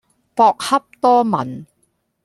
博洽多聞